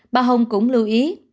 bà hồng cũng lưu ý